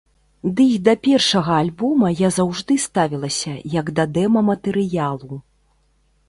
Ды і да першага альбома я заўжды ставілася, як да дэма-матэрыялу.